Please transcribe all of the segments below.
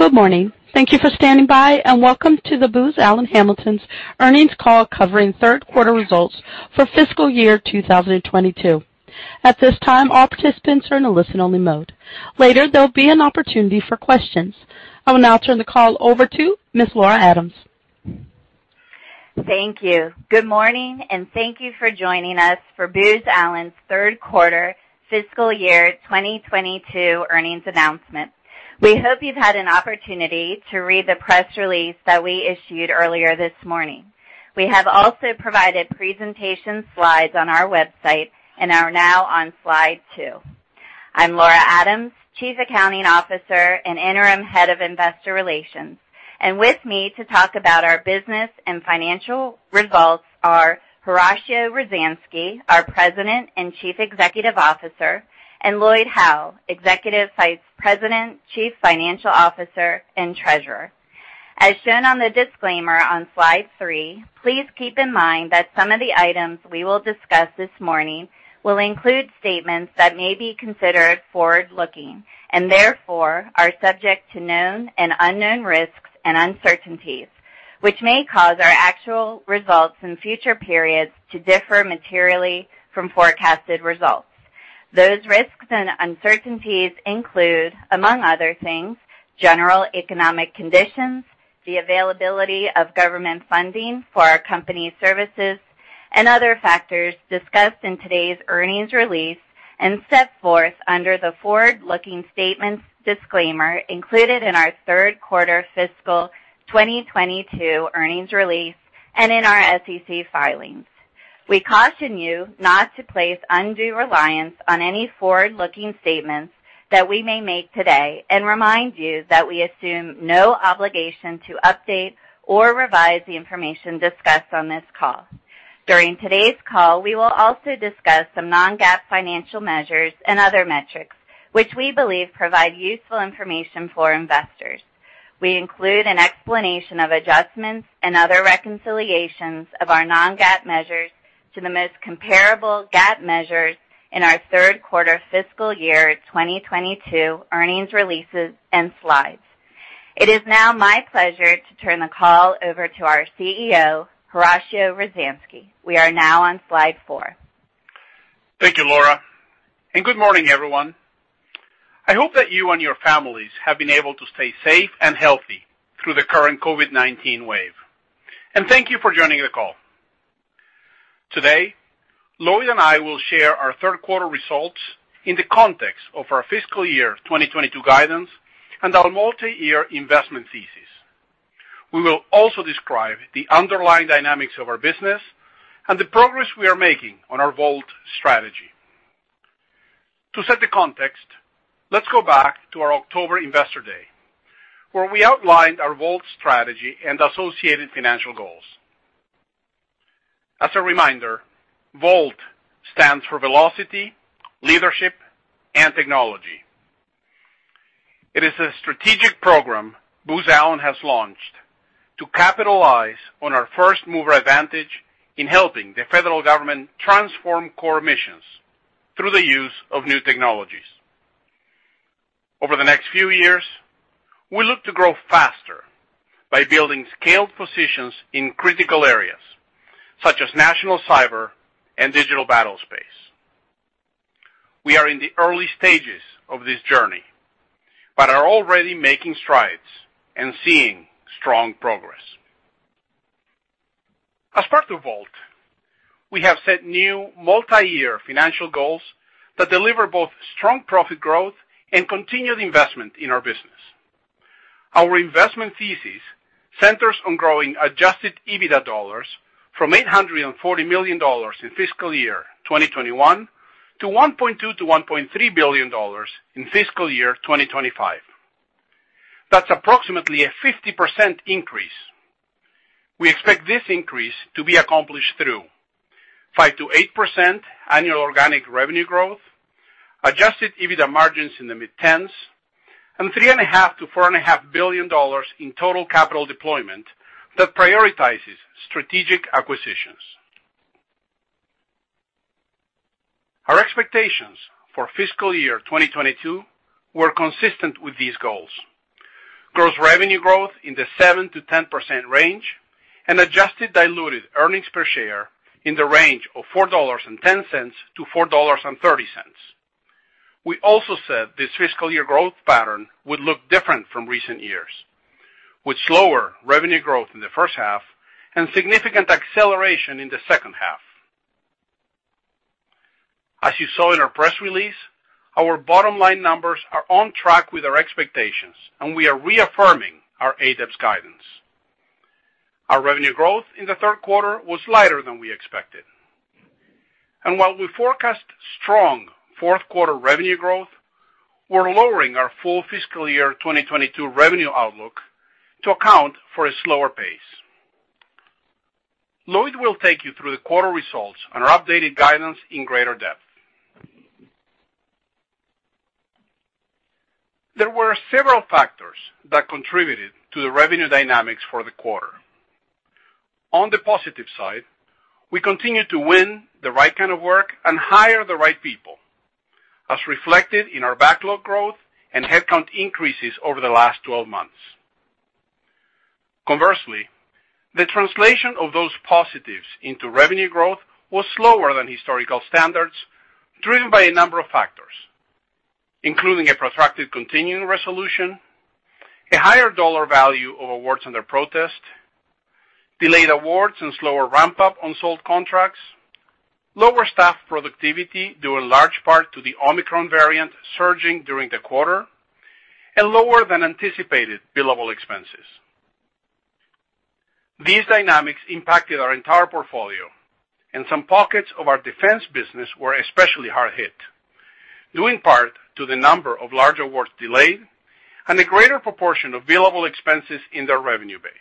Good morning. Thank you for standing by, and welcome to the Booz Allen Hamilton's earnings call covering third quarter results for fiscal year 2022. At this time, all participants are in a listen-only mode. Later, there'll be an opportunity for questions. I will now turn the call over to Ms. Laura Adams. Thank you. Good morning, and thank you for joining us for Booz Allen's third quarter fiscal year 2022 earnings announcement. We hope you've had an opportunity to read the press release that we issued earlier this morning. We have also provided presentation slides on our website and are now on slide two. I'm Laura Adams, Chief Accounting Officer and Interim Head of Investor Relations. With me to talk about our business and financial results are Horacio Rozanski, our President and Chief Executive Officer, and Lloyd Howell, Executive Vice President, Chief Financial Officer, and Treasurer. As shown on the disclaimer on slide three, please keep in mind that some of the items we will discuss this morning will include statements that may be considered forward-looking, and therefore are subject to known and unknown risks and uncertainties, which may cause our actual results in future periods to differ materially from forecasted results. Those risks and uncertainties include, among other things, general economic conditions, the availability of government funding for our company's services, and other factors discussed in today's earnings release and set forth under the forward-looking statements disclaimer included in our third quarter fiscal 2022 earnings release and in our SEC filings. We caution you not to place undue reliance on any forward-looking statements that we may make today and remind you that we assume no obligation to update or revise the information discussed on this call. During today's call, we will also discuss some non-GAAP financial measures and other metrics which we believe provide useful information for investors. We include an explanation of adjustments and other reconciliations of our non-GAAP measures to the most comparable GAAP measures in our third quarter fiscal year 2022 earnings releases and slides. It is now my pleasure to turn the call over to our CEO, Horacio Rozanski. We are now on slide four. Thank you, Laura, and good morning, everyone. I hope that you and your families have been able to stay safe and healthy through the current COVID-19 wave. Thank you for joining the call. Today, Lloyd and I will share our third quarter results in the context of our fiscal year 2022 guidance and our multi-year investment thesis. We will also describe the underlying dynamics of our business and the progress we are making on our VoLT strategy. To set the context, let's go back to our October Investor Day, where we outlined our VoLT strategy and associated financial goals. As a reminder, VoLT stands for velocity, leadership, and technology. It is a strategic program Booz Allen has launched to capitalize on our first-mover advantage in helping the federal government transform core missions through the use of new technologies. Over the next few years, we look to grow faster by building scaled positions in critical areas such as national cyber and digital battlespace. We are in the early stages of this journey, but are already making strides and seeing strong progress. As part of VoLT, we have set new multi-year financial goals that deliver both strong profit growth and continued investment in our business. Our investment thesis centers on growing adjusted EBITDA dollars from $840 million in fiscal year 2021 to $1.2 billion-$1.3 billion in fiscal year 2025. That's approximately a 50% increase. We expect this increase to be accomplished through 5%-8% annual organic revenue growth, adjusted EBITDA margins in the mid-teens, and $3.5 billion-$4.5 billion in total capital deployment that prioritizes strategic acquisitions. Our expectations for fiscal year 2022 were consistent with these goals. Gross revenue growth in the 7%-10% range and adjusted diluted earnings per share in the range of $4.10-$4.30. We also said this fiscal year growth pattern would look different from recent years, with slower revenue growth in the first half and significant acceleration in the second half. As you saw in our press release, our bottom line numbers are on track with our expectations, and we are reaffirming our ADEPS guidance. Our revenue growth in the third quarter was lighter than we expected. While we forecast strong fourth quarter revenue growth, we're lowering our full fiscal year 2022 revenue outlook to account for a slower pace. Lloyd will take you through the quarter results and our updated guidance in greater depth. There were several factors that contributed to the revenue dynamics for the quarter. On the positive side, we continue to win the right kind of work and hire the right people, as reflected in our backlog growth and headcount increases over the last 12 months. Conversely, the translation of those positives into revenue growth was slower than historical standards, driven by a number of factors, including a protracted continuing resolution, a higher dollar value of awards under protest, delayed awards and slower ramp-up on sold contracts, lower staff productivity due in large part to the Omicron variant surging during the quarter, and lower than anticipated billable expenses. These dynamics impacted our entire portfolio, and some pockets of our defense business were especially hard hit, due in part to the number of large awards delayed and a greater proportion of billable expenses in their revenue base.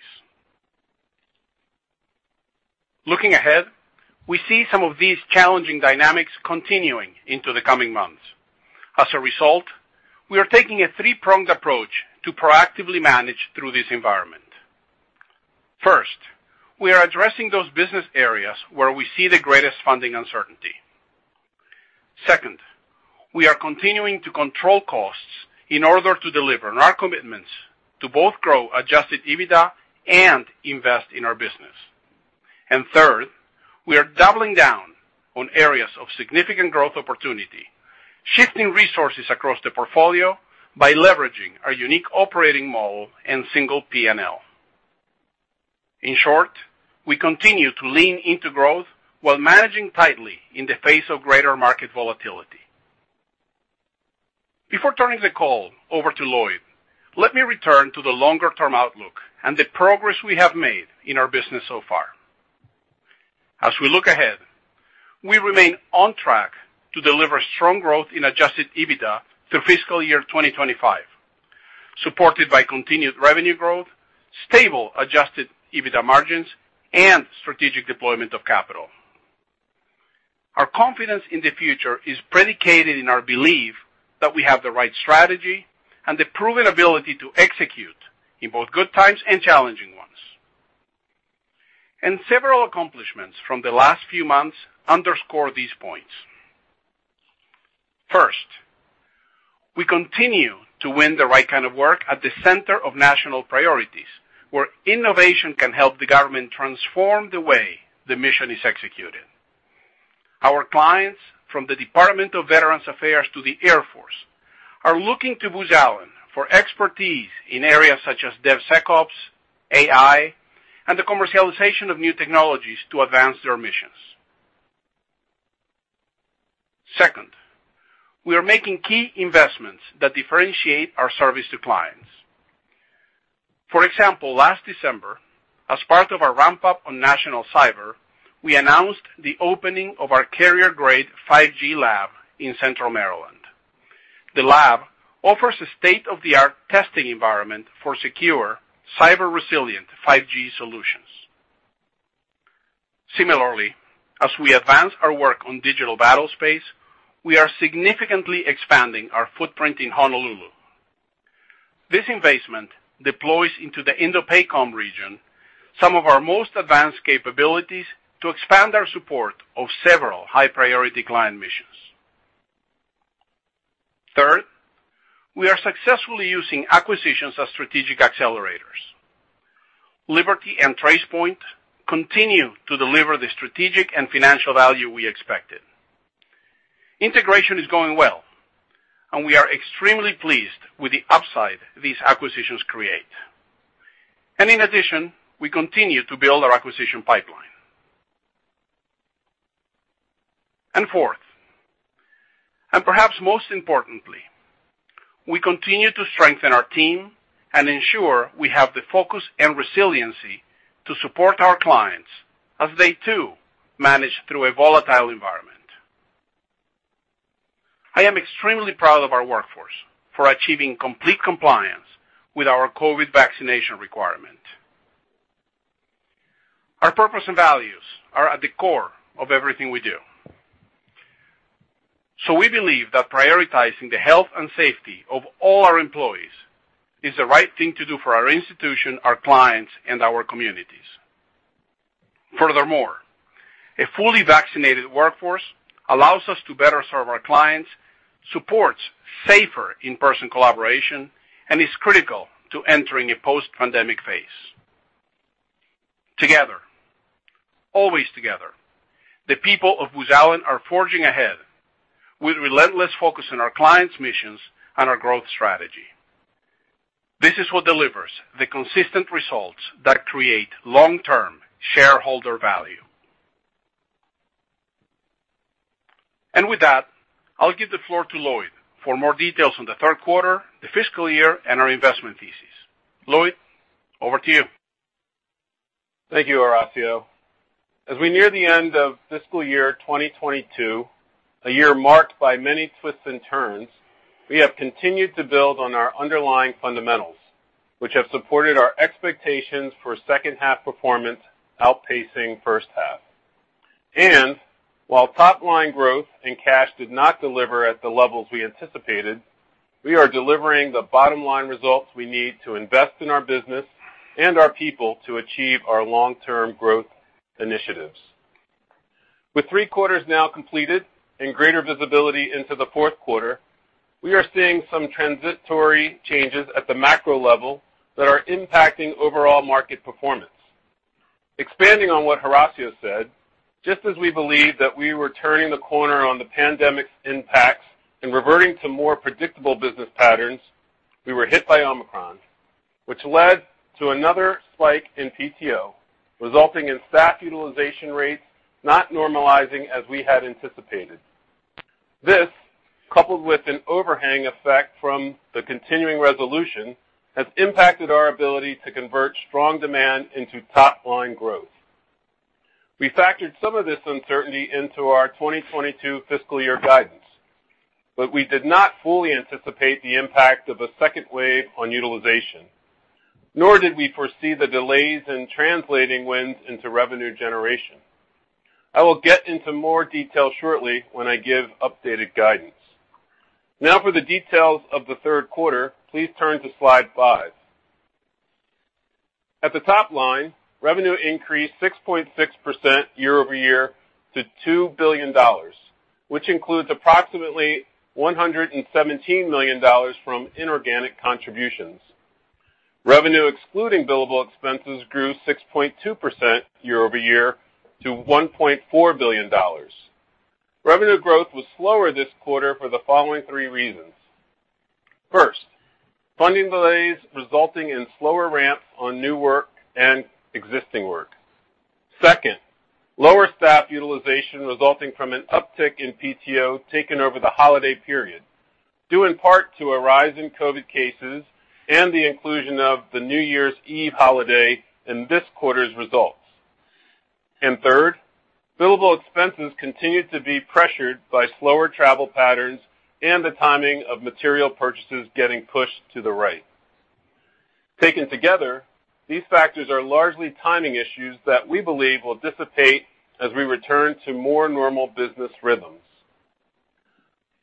Looking ahead, we see some of these challenging dynamics continuing into the coming months. As a result, we are taking a three-pronged approach to proactively manage through this environment. First, we are addressing those business areas where we see the greatest funding uncertainty. Second, we are continuing to control costs in order to deliver on our commitments to both grow adjusted EBITDA and invest in our business. And third, we are doubling down on areas of significant growth opportunity, shifting resources across the portfolio by leveraging our unique operating model and single P&L. In short, we continue to lean into growth while managing tightly in the face of greater market volatility. Before turning the call over to Lloyd, let me return to the longer-term outlook and the progress we have made in our business so far. As we look ahead, we remain on track to deliver strong growth in adjusted EBITDA through fiscal year 2025, supported by continued revenue growth, stable adjusted EBITDA margins, and strategic deployment of capital. Our confidence in the future is predicated in our belief that we have the right strategy and the proven ability to execute in both good times and challenging ones. Several accomplishments from the last few months underscore these points. First, we continue to win the right kind of work at the center of national priorities, where innovation can help the government transform the way the mission is executed. Our clients, from the Department of Veterans Affairs to the Air Force, are looking to Booz Allen for expertise in areas such as DevSecOps, AI, and the commercialization of new technologies to advance their missions. Second, we are making key investments that differentiate our service to clients. For example, last December, as part of our ramp-up on national cyber, we announced the opening of our carrier-grade 5G lab in Central Maryland. The lab offers a state-of-the-art testing environment for secure, cyber-resilient 5G solutions. Similarly, as we advance our work on digital battlespace, we are significantly expanding our footprint in Honolulu. This investment deploys into the INDOPACOM region some of our most advanced capabilities to expand our support of several high-priority client missions. Third, we are successfully using acquisitions as strategic accelerators. Liberty and Tracepoint continue to deliver the strategic and financial value we expected. Integration is going well, and we are extremely pleased with the upside these acquisitions create. We continue to build our acquisition pipeline. Fourth, and perhaps most importantly, we continue to strengthen our team and ensure we have the focus and resiliency to support our clients as they too manage through a volatile environment. I am extremely proud of our workforce for achieving complete compliance with our COVID vaccination requirement. Our purpose and values are at the core of everything we do. We believe that prioritizing the health and safety of all our employees is the right thing to do for our institution, our clients, and our communities. Furthermore, a fully vaccinated workforce allows us to better serve our clients, supports safer in-person collaboration, and is critical to entering a post-pandemic phase. Together, always together, the people of Booz Allen are forging ahead with relentless focus on our clients' missions and our growth strategy. This is what delivers the consistent results that create long-term shareholder value. With that, I'll give the floor to Lloyd for more details on the third quarter, the fiscal year, and our investment thesis. Lloyd, over to you. Thank you, Horacio. As we near the end of fiscal year 2022, a year marked by many twists and turns, we have continued to build on our underlying fundamentals, which have supported our expectations for second-half performance outpacing first half. While top line growth and cash did not deliver at the levels we anticipated, we are delivering the bottom line results we need to invest in our business and our people to achieve our long-term growth initiatives. With three quarters now completed and greater visibility into the fourth quarter, we are seeing some transitory changes at the macro level that are impacting overall market performance. Expanding on what Horacio said, just as we believe that we were turning the corner on the pandemic's impacts and reverting to more predictable business patterns, we were hit by Omicron, which led to another spike in PTO, resulting in staff utilization rates not normalizing as we had anticipated. This, coupled with an overhang effect from the continuing resolution, has impacted our ability to convert strong demand into top line growth. We factored some of this uncertainty into our 2022 fiscal year guidance, but we did not fully anticipate the impact of a second wave on utilization, nor did we foresee the delays in translating wins into revenue generation. I will get into more detail shortly when I give updated guidance. Now for the details of the third quarter, please turn to slide five. At the top line, revenue increased 6.6% year-over-year to $2 billion, which includes approximately $117 million from inorganic contributions. Revenue excluding billable expenses grew 6.2% year-over-year to $1.4 billion. Revenue growth was slower this quarter for the following three reasons. First, funding delays resulting in slower ramp on new work and existing work. Second, lower staff utilization resulting from an uptick in PTO taken over the holiday period, due in part to a rise in COVID cases and the inclusion of the New Year's Eve holiday in this quarter's results. Third, billable expenses continued to be pressured by slower travel patterns and the timing of material purchases getting pushed to the right. Taken together, these factors are largely timing issues that we believe will dissipate as we return to more normal business rhythms.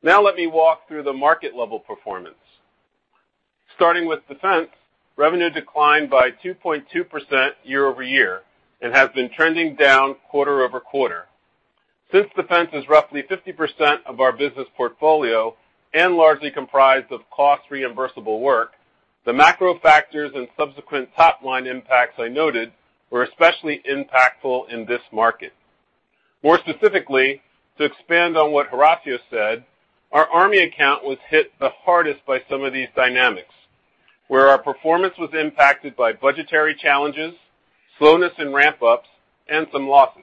Now let me walk through the market level performance. Starting with defense, revenue declined by 2.2% year-over-year and has been trending down quarter-over-quarter. Since defense is roughly 50% of our business portfolio and largely comprised of cost-reimbursable work, the macro factors and subsequent top line impacts I noted were especially impactful in this market. More specifically, to expand on what Horacio said, our Army account was hit the hardest by some of these dynamics, where our performance was impacted by budgetary challenges, slowness in ramp ups, and some losses.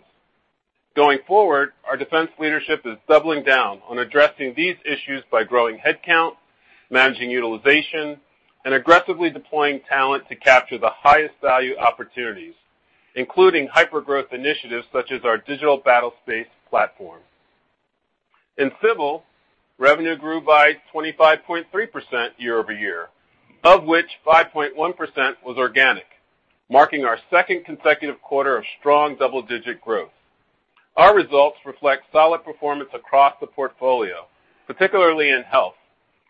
Going forward, our defense leadership is doubling down on addressing these issues by growing headcount, managing utilization, and aggressively deploying talent to capture the highest value opportunities, including hypergrowth initiatives such as our digital battlespace platform. In civil, revenue grew by 25.3% year-over-year, of which 5.1% was organic, marking our second consecutive quarter of strong double-digit growth. Our results reflect solid performance across the portfolio, particularly in health,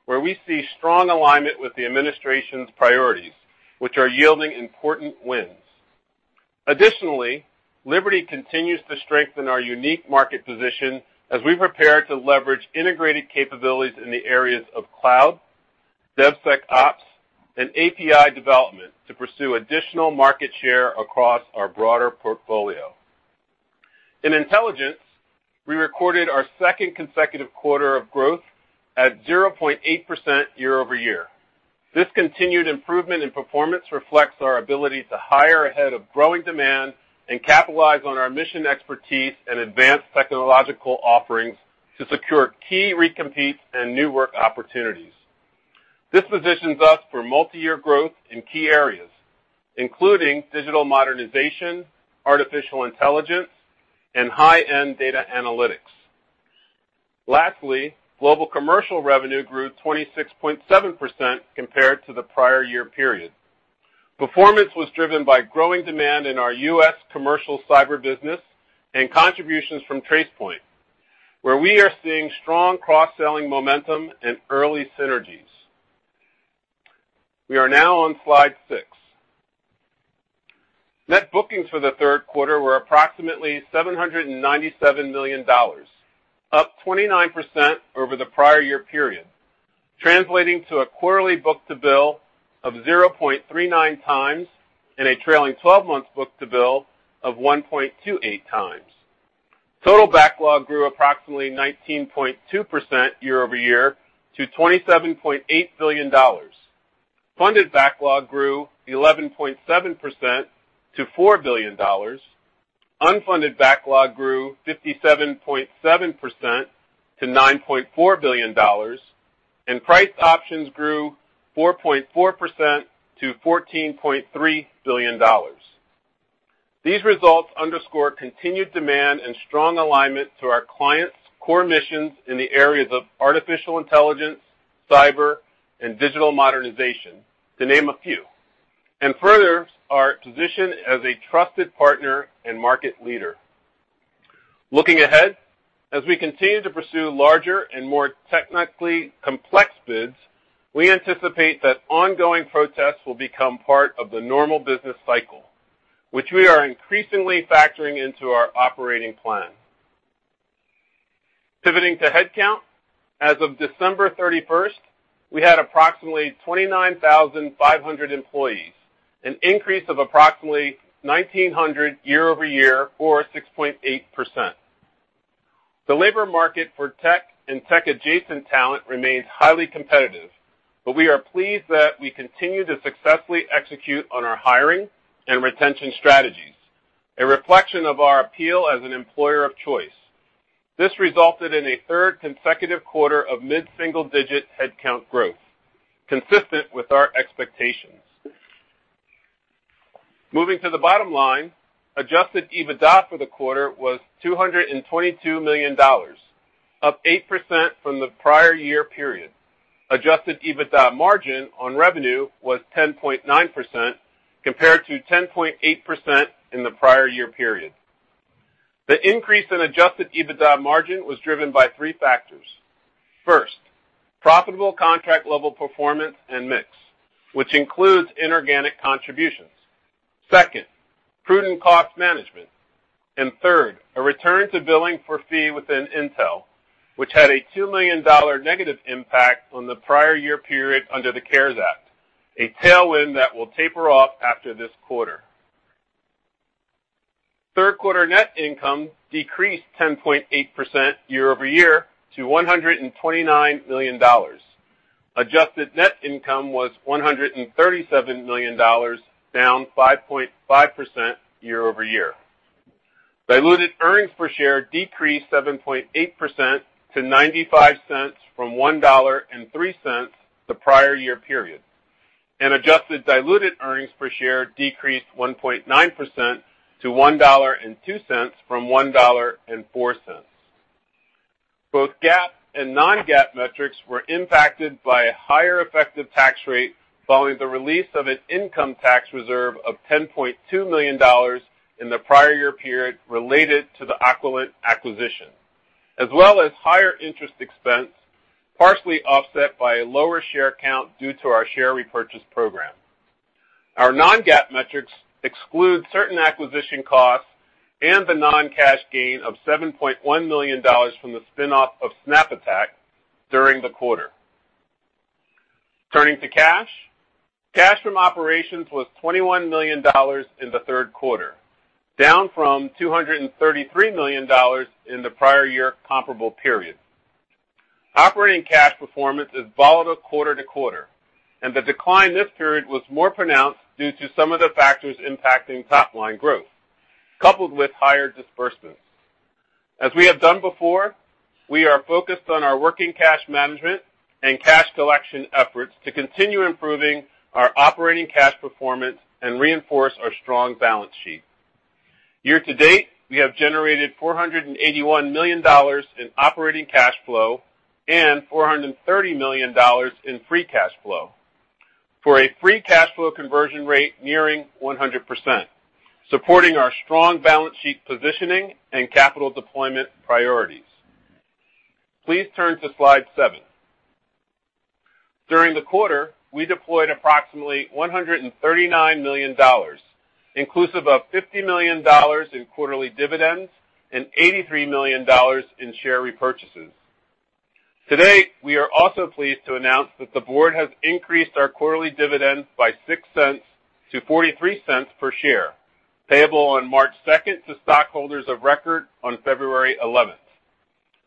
where we see strong alignment with the administration's priorities, which are yielding important wins. Additionally, Liberty continues to strengthen our unique market position as we prepare to leverage integrated capabilities in the areas of cloud, DevSecOps, and API development to pursue additional market share across our broader portfolio. In intelligence, we recorded our second consecutive quarter of growth at 0.8% year-over-year. This continued improvement in performance reflects our ability to hire ahead of growing demand and capitalize on our mission expertise and advanced technological offerings to secure key recompetes and new work opportunities. This positions us for multi-year growth in key areas, including digital modernization, artificial intelligence, and high-end data analytics. Lastly, global commercial revenue grew 26.7% compared to the prior year period. Performance was driven by growing demand in our U.S. commercial cyber business and contributions from Tracepoint, where we are seeing strong cross-selling momentum and early synergies. We are now on slide six. Net bookings for the third quarter were approximately $797 million, up 29% over the prior year period, translating to a quarterly book-to-bill of 0.39x and a trailing 12-month book-to-bill of 1.28x. Total backlog grew approximately 19.2% year-over-year to $27.8 billion. Funded backlog grew 11.7% to $4 billion. Unfunded backlog grew 57.7% to $9.4 billion. Priced options grew 4.4% to $14.3 billion. These results underscore continued demand and strong alignment to our clients' core missions in the areas of artificial intelligence, cyber, and digital modernization, to name a few. Furthers our position as a trusted partner and market leader. Looking ahead, as we continue to pursue larger and more technically complex bids, we anticipate that ongoing protests will become part of the normal business cycle, which we are increasingly factoring into our operating plan. Pivoting to headcount, as of December 31st, we had approximately 29,500 employees, an increase of approximately 1,900 year-over-year, or 6.8%. The labor market for tech and tech-adjacent talent remains highly competitive, but we are pleased that we continue to successfully execute on our hiring and retention strategies, a reflection of our appeal as an employer of choice. This resulted in a third consecutive quarter of mid-single-digit headcount growth, consistent with our expectations. Moving to the bottom line, Adjusted EBITDA for the quarter was $222 million, up 8% from the prior year period. Adjusted EBITDA margin on revenue was 10.9% compared to 10.8% in the prior year period. The increase in Adjusted EBITDA margin was driven by three factors. First, profitable contract level performance and mix, which includes inorganic contributions. Second, prudent cost management. Third, a return to billing for fee within internal, which had a $2 million negative impact on the prior year period under the CARES Act, a tailwind that will taper off after this quarter. Third quarter net income decreased 10.8% year-over-year to $129 million. Adjusted net income was $137 million, down 5.5% year-over-year. Diluted earnings per share decreased 7.8% to $0.95 from $1.03 the prior year period. Adjusted diluted earnings per share decreased 1.9% to $1.02 from $1.04. Both GAAP and non-GAAP metrics were impacted by a higher effective tax rate following the release of an income tax reserve of $10.2 million in the prior year period related to the Aquilent acquisition, as well as higher interest expense, partially offset by a lower share count due to our share repurchase program. Our non-GAAP metrics exclude certain acquisition costs and the non-cash gain of $7.1 million from the spin-off of SnapAttack during the quarter. Turning to cash. Cash from operations was $21 million in the third quarter, down from $233 million in the prior year comparable period. Operating cash performance is volatile quarter to quarter, and the decline this period was more pronounced due to some of the factors impacting top line growth, coupled with higher disbursements. As we have done before, we are focused on our working cash management and cash collection efforts to continue improving our operating cash performance and reinforce our strong balance sheet. Year to date, we have generated $481 million in operating cash flow and $430 million in free cash flow for a free cash flow conversion rate nearing 100%, supporting our strong balance sheet positioning and capital deployment priorities. Please turn to slide 7. During the quarter, we deployed approximately $139 million, inclusive of $50 million in quarterly dividends and $83 million in share repurchases. Today, we are also pleased to announce that the board has increased our quarterly dividends by 6 cents to 43 cents per share, payable on March second to stockholders of record on February eleventh.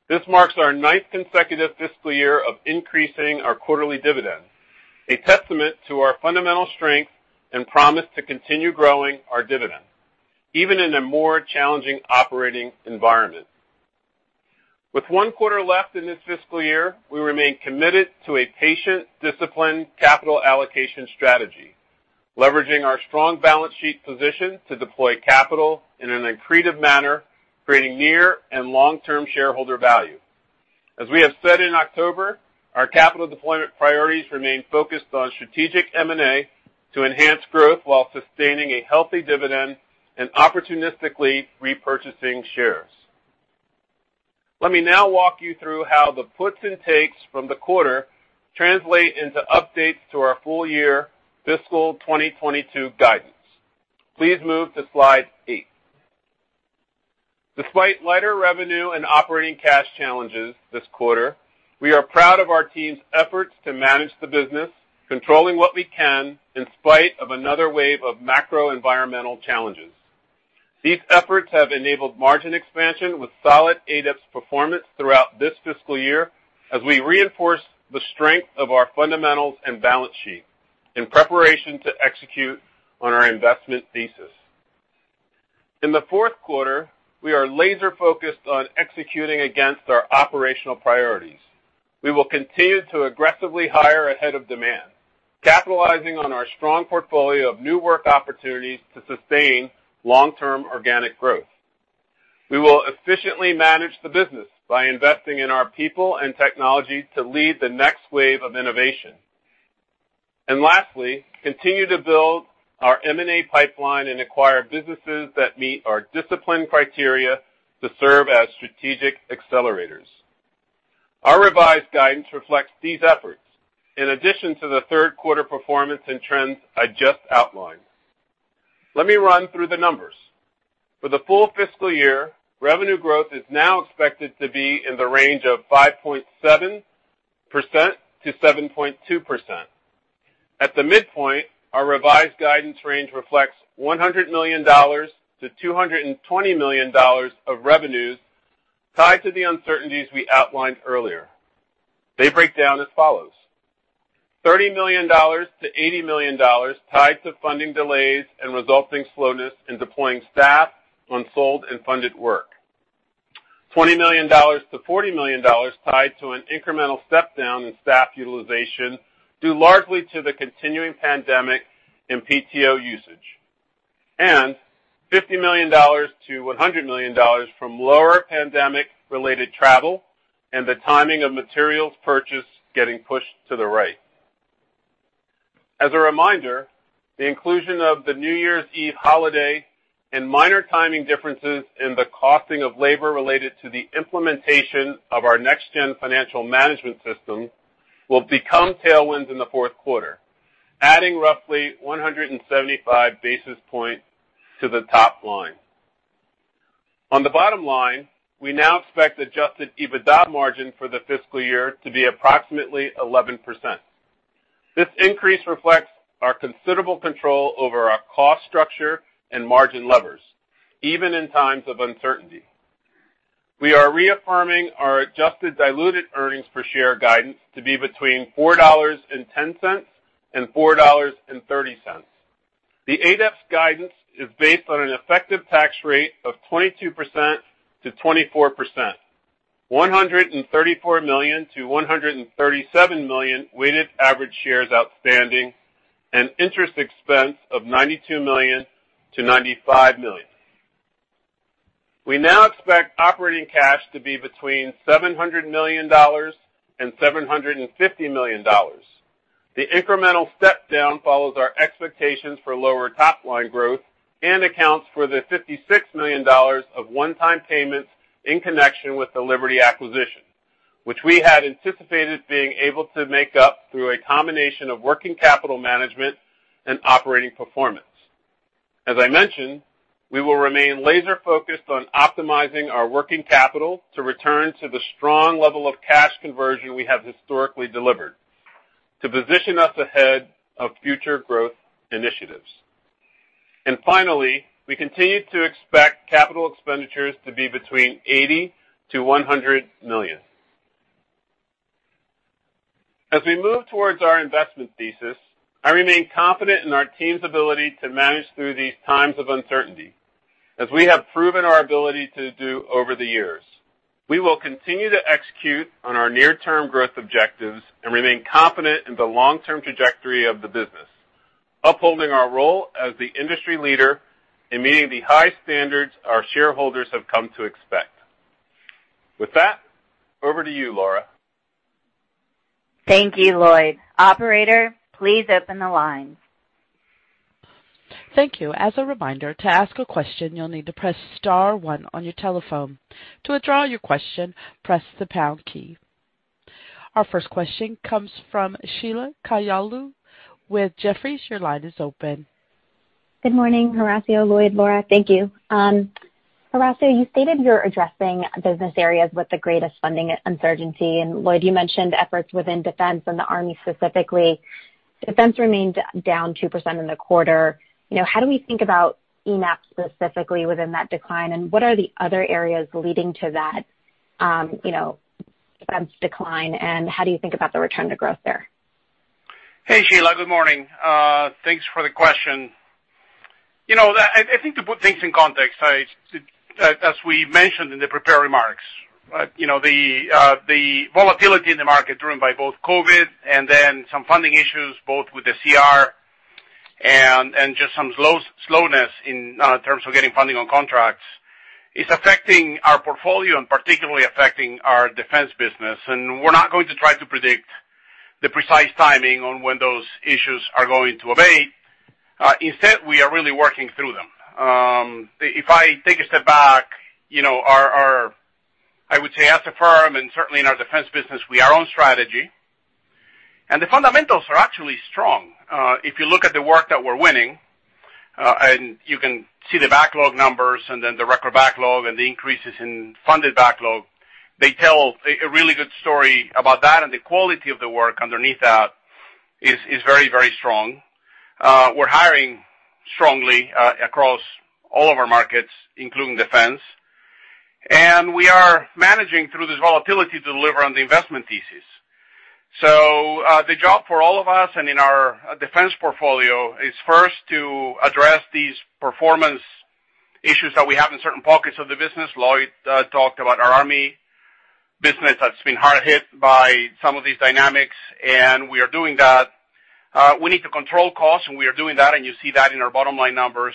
This marks our ninth consecutive fiscal year of increasing our quarterly dividend, a testament to our fundamental strength and promise to continue growing our dividend, even in a more challenging operating environment. With one quarter left in this fiscal year, we remain committed to a patient, disciplined capital allocation strategy, leveraging our strong balance sheet position to deploy capital in an accretive manner, creating near and long-term shareholder value. As we have said in October, our capital deployment priorities remain focused on strategic M&A to enhance growth while sustaining a healthy dividend and opportunistically repurchasing shares. Let me now walk you through how the puts and takes from the quarter translate into updates to our full year fiscal 2022 guidance. Please move to slide eight. Despite lighter revenue and operating cash challenges this quarter, we are proud of our team's efforts to manage the business, controlling what we can in spite of another wave of macro environmental challenges. These efforts have enabled margin expansion with solid ADEPS performance throughout this fiscal year as we reinforce the strength of our fundamentals and balance sheet in preparation to execute on our investment thesis. In the fourth quarter, we are laser focused on executing against our operational priorities. We will continue to aggressively hire ahead of demand, capitalizing on our strong portfolio of new work opportunities to sustain long-term organic growth. We will efficiently manage the business by investing in our people and technology to lead the next wave of innovation. Lastly, we will continue to build our M&A pipeline and acquire businesses that meet our disciplined criteria to serve as strategic accelerators. Our revised guidance reflects these efforts in addition to the third quarter performance and trends I just outlined. Let me run through the numbers. For the full fiscal-year, revenue growth is now expected to be in the range of 5.7%-7.2%. At the midpoint, our revised guidance range reflects $100 million-$220 million of revenues tied to the uncertainties we outlined earlier. They break down as follows. $30 million-$80 million tied to funding delays and resulting slowness in deploying staff on sold and funded work. $20 million-$40 million tied to an incremental step down in staff utilization, due largely to the continuing pandemic in PTO usage. $50 million-$100 million from lower pandemic-related travel and the timing of materials purchase getting pushed to the right. As a reminder, the inclusion of the New Year's Eve holiday and minor timing differences in the costing of labor related to the implementation of our next gen financial management system will become tailwinds in the fourth quarter, adding roughly 175 basis points to the top line. On the bottom line, we now expect adjusted EBITDA margin for the fiscal year to be approximately 11%. This increase reflects our considerable control over our cost structure and margin levers, even in times of uncertainty. We are reaffirming our Adjusted Diluted Earnings Per Share guidance to be between $4.10 and $4.30. The ADEPS guidance is based on an effective tax rate of 22%-24%, 134 million-137 million weighted average shares outstanding, and interest expense of $92 million-$95 million. We now expect operating cash to be between $700 million and $750 million. The incremental step down follows our expectations for lower top line growth and accounts for the $56 million of one-time payments in connection with the Liberty acquisition, which we had anticipated being able to make up through a combination of working capital management and operating performance. As I mentioned, we will remain laser focused on optimizing our working capital to return to the strong level of cash conversion we have historically delivered to position us ahead of future growth initiatives. Finally, we continue to expect capital expenditures to be between $80 million-$100 million. As we move towards our investment thesis, I remain confident in our team's ability to manage through these times of uncertainty, as we have proven our ability to do over the years. We will continue to execute on our near-term growth objectives and remain confident in the long-term trajectory of the business, upholding our role as the industry leader in meeting the high standards our shareholders have come to expect. With that, over to you, Laura. Thank you, Lloyd. Operator, please open the lines. Thank you. As a reminder, to ask a question, you'll need to press star one on your telephone. To withdraw your question, press the pound key. Our first question comes from Sheila Kahyaoglu with Jefferies. Your line is open. Good morning, Horacio, Lloyd, Laura. Thank you. Horacio, you stated you're addressing business areas with the greatest funding uncertainty. Lloyd, you mentioned efforts within defense and the Army specifically. Defense remained down 2% in the quarter. You know, how do we think about eMASS specifically within that decline? What are the other areas leading to that, you know, defense decline and how do you think about the return to growth there? Hey, Sheila, good morning. Thanks for the question. You know, I think to put things in context, as we mentioned in the prepared remarks, you know, the volatility in the market driven by both COVID and then some funding issues, both with the CR and just some slowness in terms of getting funding on contracts is affecting our portfolio and particularly affecting our defense business. We're not going to try to predict the precise timing on when those issues are going to abate. Instead, we are really working through them. If I take a step back, you know, I would say as a firm and certainly in our defense business, we are on strategy, and the fundamentals are actually strong. If you look at the work that we're winning, and you can see the backlog numbers and then the record backlog and the increases in funded backlog, they tell a really good story about that. The quality of the work underneath that is very strong. We're hiring strongly across all of our markets, including defense. We are managing through this volatility to deliver on the investment thesis. The job for all of us in our defense portfolio is first to address these performance issues that we have in certain pockets of the business. Lloyd talked about our Army. Business that's been hard hit by some of these dynamics, and we are doing that. We need to control costs, and we are doing that, and you see that in our bottom-line numbers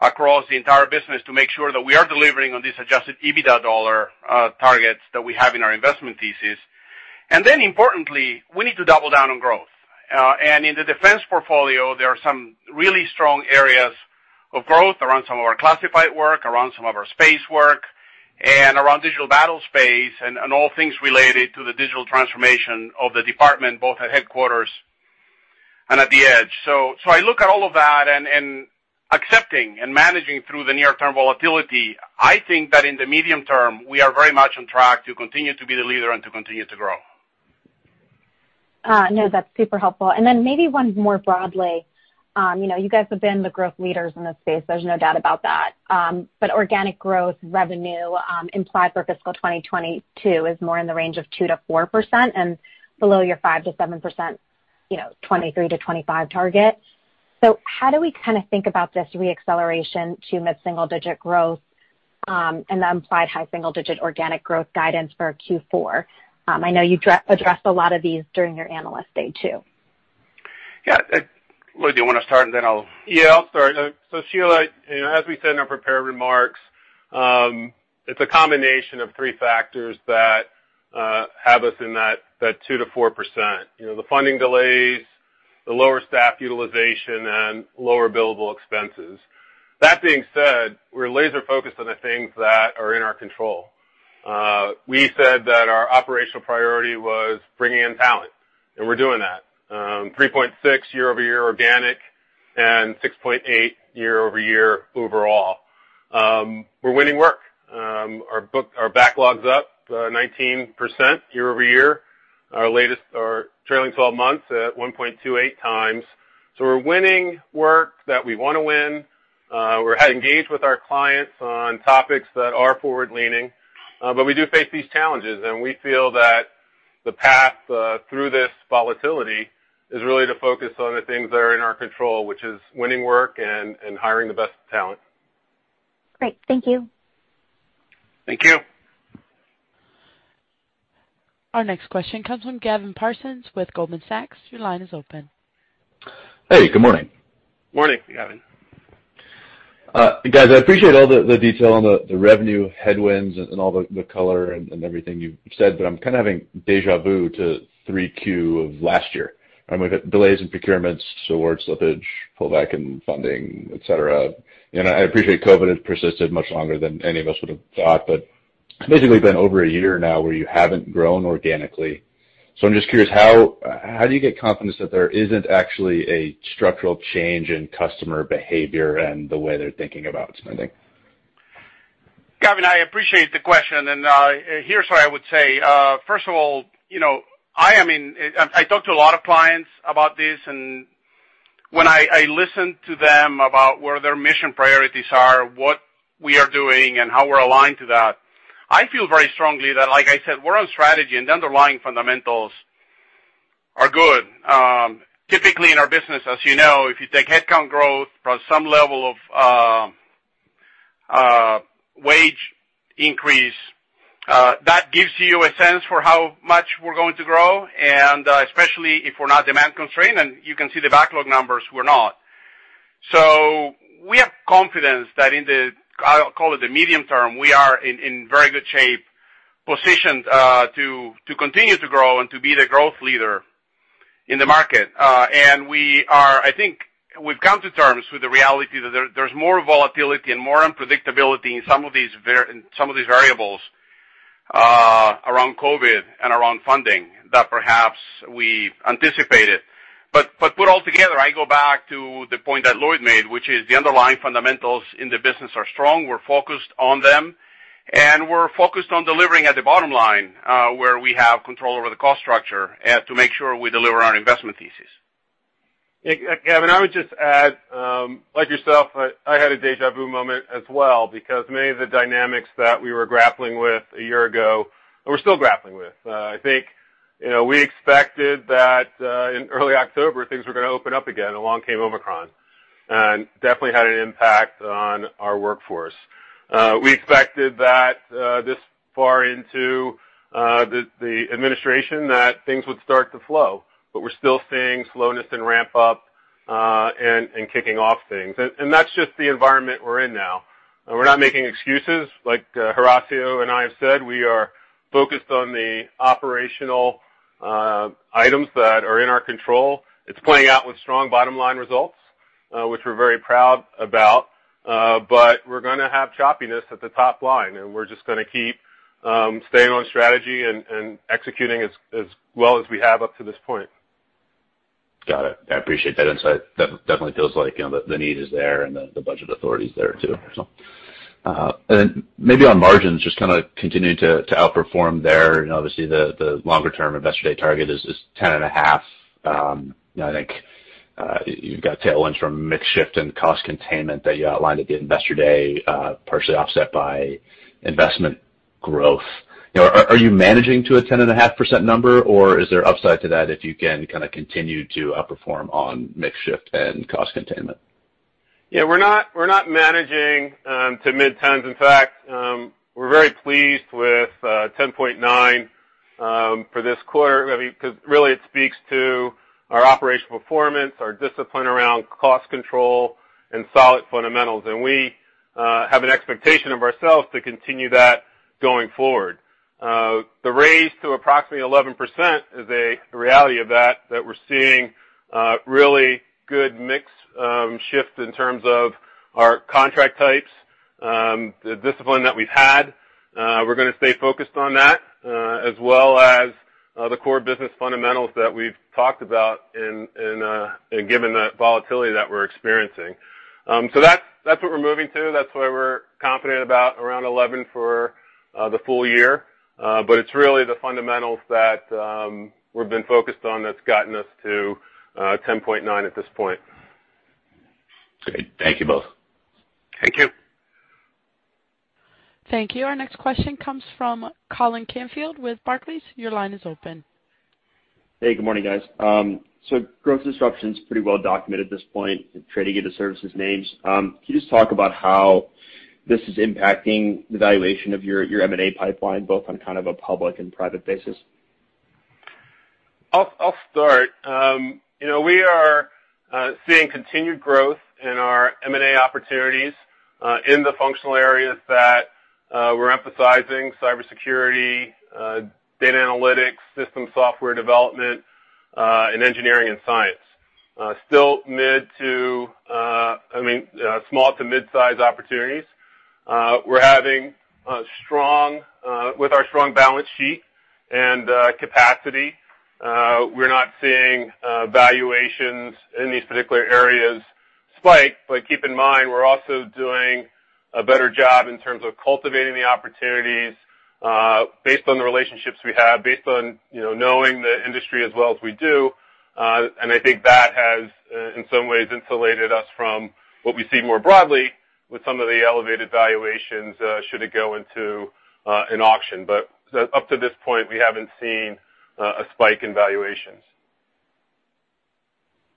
across the entire business to make sure that we are delivering on these adjusted EBITDA dollar targets that we have in our investment thesis. Importantly, we need to double down on growth. In the defense portfolio, there are some really strong areas of growth around some of our classified work, around some of our space work, and around digital battlespace and all things related to the digital transformation of the department, both at headquarters and at the edge. I look at all of that and accepting and managing through the near-term volatility, I think that in the medium term, we are very much on track to continue to be the leader and to continue to grow. No, that's super helpful. Then maybe one more broadly. You know, you guys have been the growth leaders in this space. There's no doubt about that. But organic growth revenue implied for fiscal 2022 is more in the range of 2%-4% and below your 5%-7%, you know, 2023-2025 target. How do we kinda think about this re-acceleration to mid-single-digit growth, and the implied high single-digit organic growth guidance for Q4? I know you addressed a lot of these during your Analyst Day, too. Yeah, Lloyd, do you wanna start, and then I'll- Yeah, I'll start. Sheila, you know, as we said in our prepared remarks, it's a combination of three factors that have us in that 2%-4%. You know, the funding delays, the lower staff utilization, and lower billable expenses. That being said, we're laser-focused on the things that are in our control. We said that our operational priority was bringing in talent, and we're doing that. 3.6 year-over-year organic and 6.8 year-over-year overall. We're winning work. Our backlog's up 19% year-over-year. Our trailing twelve months at 1.28x. We're winning work that we wanna win. We're engaged with our clients on topics that are forward-leaning, but we do face these challenges, and we feel that the path through this volatility is really to focus on the things that are in our control, which is winning work and hiring the best talent. Great. Thank you. Thank you. Our next question comes from Gavin Parsons with Goldman Sachs. Your line is open. Hey, good morning. Morning, Gavin. Guys, I appreciate all the detail on the revenue headwinds and all the color and everything you've said, but I'm kind of having déjà vu to 3Q of last year. I mean, we've had delays in procurements, awards slippage, pullback in funding, et cetera. You know, I appreciate COVID has persisted much longer than any of us would have thought, but basically been over a year now where you haven't grown organically. I'm just curious, how do you get confidence that there isn't actually a structural change in customer behavior and the way they're thinking about spending? Gavin, I appreciate the question, and here's what I would say. First of all, you know, I talk to a lot of clients about this, and when I listen to them about where their mission priorities are, what we are doing and how we're aligned to that, I feel very strongly that, like I said, we're on strategy and the underlying fundamentals are good. Typically in our business, as you know, if you take headcount growth plus some level of wage increase, that gives you a sense for how much we're going to grow, and especially if we're not demand constrained, and you can see the backlog numbers, we're not. We have confidence that in the, I'll call it the medium term, we are in very good shape, positioned to continue to grow and to be the growth leader in the market. We are, I think, we've come to terms with the reality that there's more volatility and more unpredictability in some of these variables around COVID and around funding that perhaps we anticipated. Put all together, I go back to the point that Lloyd made, which is the underlying fundamentals in the business are strong. We're focused on them, and we're focused on delivering at the bottom line, where we have control over the cost structure, to make sure we deliver on our investment thesis. Yeah, Gavin, I would just add, like yourself, I had a déjà vu moment as well because many of the dynamics that we were grappling with a year ago, and we're still grappling with. I think, you know, we expected that in early October, things were gonna open up again, along came Omicron and definitely had an impact on our workforce. We expected that this far into the administration that things would start to flow, but we're still seeing slowness in ramp up and kicking off things. That's just the environment we're in now. We're not making excuses like Horacio and I have said, we are focused on the operational items that are in our control. It's playing out with strong bottom-line results, which we're very proud about. We're gonna have choppiness at the top line, and we're just gonna keep staying on strategy and executing as well as we have up to this point. Got it. I appreciate that insight. Definitely feels like, you know, the need is there and the budget authority is there too, so. Maybe on margins, just kinda continuing to outperform there. You know, obviously the longer-term Investor Day target is 10.5. You know, I think, you've got tailwinds from mix shift and cost containment that you outlined at the Investor Day, partially offset by investment growth. You know, are you managing to a 10.5% number, or is there upside to that if you can kinda continue to outperform on mix shift and cost containment? Yeah, we're not managing to mid-tens. In fact, we're very pleased with 10.9 for this quarter. I mean, 'cause really it speaks to our operational performance, our discipline around cost control and solid fundamentals. We have an expectation of ourselves to continue that going forward. The raise to approximately 11% is a reality of that we're seeing really good mix shift in terms of our contract types, the discipline that we've had. We're gonna stay focused on that, as well as the core business fundamentals that we've talked about in, given the volatility that we're experiencing. That's what we're moving to. That's why we're confident about around 11 for the full year. It's really the fundamentals that we've been focused on that's gotten us to 10.9 at this point. Great. Thank you both. Thank you. Thank you. Our next question comes from Colin Canfield with Barclays. Your line is open. Hey, good morning, guys. Growth disruption is pretty well documented at this point, trading into services names. Can you just talk about how this is impacting the valuation of your M&A pipeline, both on kind of a public and private basis? I'll start. You know, we are seeing continued growth in our M&A opportunities in the functional areas that we're emphasizing: cybersecurity, data analytics, system software development, and engineering and science. Still small to mid-size opportunities. With our strong balance sheet and capacity, we're not seeing valuations in these particular areas spike. Keep in mind, we're also doing a better job in terms of cultivating the opportunities based on the relationships we have, based on, you know, knowing the industry as well as we do. I think that has in some ways insulated us from what we see more broadly with some of the elevated valuations should it go into an auction. Up to this point, we haven't seen a spike in valuations.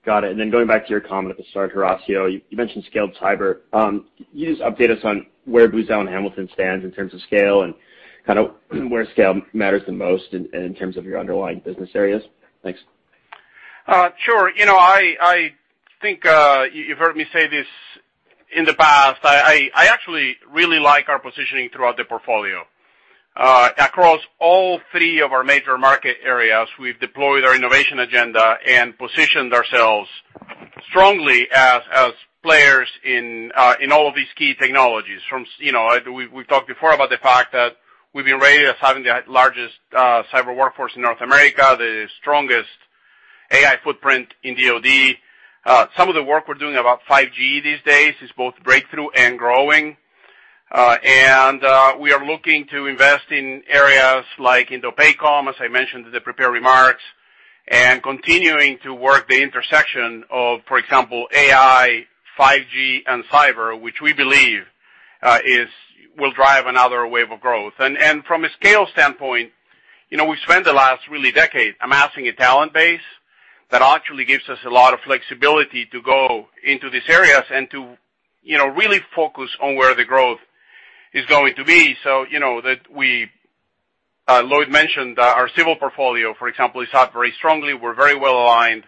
Got it. Going back to your comment at the start, Horacio, you mentioned scaled cyber. Can you just update us on where Booz Allen Hamilton stands in terms of scale and kind of where scale matters the most in terms of your underlying business areas? Thanks. Sure. You know, I think you've heard me say this in the past. I actually really like our positioning throughout the portfolio. Across all three of our major market areas, we've deployed our innovation agenda and positioned ourselves strongly as players in all of these key technologies. You know, we've talked before about the fact that we've been rated as having the largest cyber workforce in North America, the strongest AI footprint in DOD. Some of the work we're doing about 5G these days is both breakthrough and growing. We are looking to invest in areas like INDOPACOM, as I mentioned in the prepared remarks, and continuing to work the intersection of, for example, AI, 5G and cyber, which we believe will drive another wave of growth. From a scale standpoint, you know, we spent the last really decade amassing a talent base that actually gives us a lot of flexibility to go into these areas and to, you know, really focus on where the growth is going to be. So, you know, Lloyd mentioned our civil portfolio, for example, is up very strongly. We're very well aligned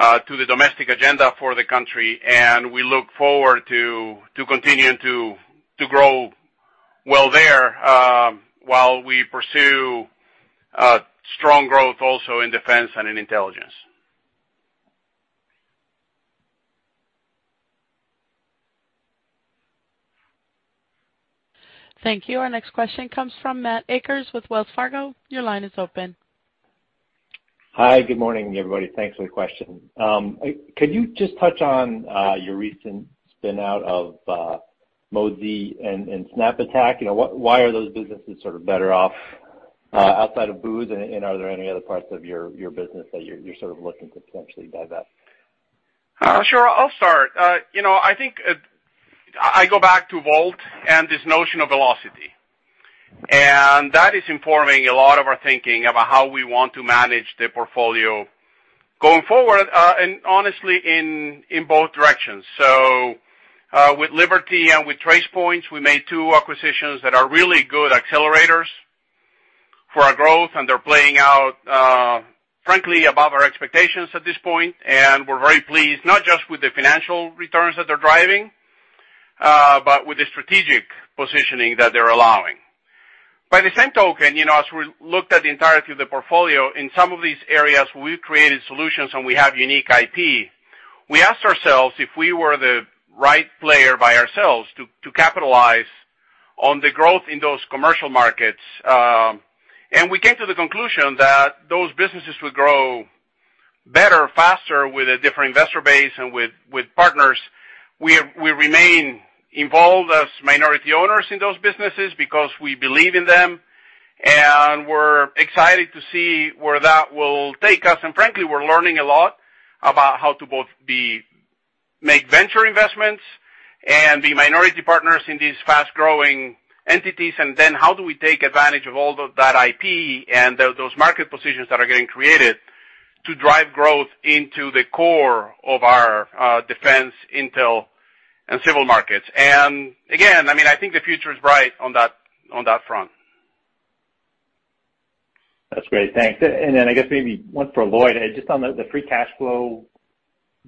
to the domestic agenda for the country, and we look forward to continuing to grow well there, while we pursue strong growth also in defense and in intelligence. Thank you. Our next question comes from Matt Akers with Wells Fargo. Your line is open. Hi. Good morning, everybody. Thanks for the question. Could you just touch on your recent spin out of Modzy and SnapAttack? You know, why are those businesses sort of better off outside of Booz? Are there any other parts of your business that you're sort of looking to potentially divest? Sure. I'll start. You know, I think I go back to VoLT and this notion of velocity, and that is informing a lot of our thinking about how we want to manage the portfolio going forward, and honestly, in both directions. With Liberty and with Tracepoint, we made two acquisitions that are really good accelerators for our growth, and they're playing out, frankly, above our expectations at this point. We're very pleased, not just with the financial returns that they're driving, but with the strategic positioning that they're allowing. By the same token, you know, as we looked at the entirety of the portfolio, in some of these areas, we've created solutions and we have unique IP. We asked ourselves if we were the right player by ourselves to capitalize on the growth in those commercial markets. We came to the conclusion that those businesses would grow better, faster with a different investor base and with partners. We remain involved as minority owners in those businesses because we believe in them, and we're excited to see where that will take us. Frankly, we're learning a lot about how to both make venture investments and be the minority partners in these fast growing entities, and then how do we take advantage of all of that IP and those market positions that are getting created to drive growth into the core of our defense intel and civil markets. I mean, I think the future is bright on that front. That's great. Thanks. I guess maybe one for Lloyd. Just on the free cash flow